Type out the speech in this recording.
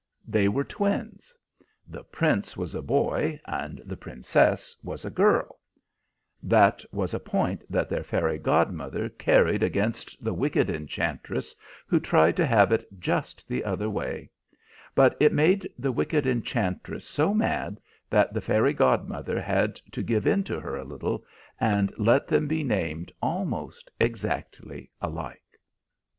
They were twins; the Prince was a boy and the Princess was a girl; that was a point that their fairy godmother carried against the wicked enchantress who tried to have it just the other way; but it made the wicked enchantress so mad that the fairy godmother had to give in to her a little, and let them be named almost exactly alike."